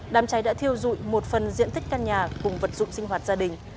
đám cháy đã thiêu dụi một phần diện tích căn nhà cùng vật dụng sinh hoạt gia đình